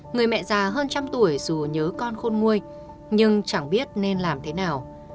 người mẹ già hơn trăm tuổi dù nhớ con khôn nguôi nhưng chẳng biết nên làm thế nào